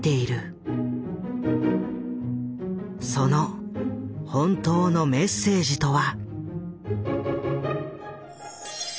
その本当のメッセージとは？